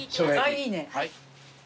いいね。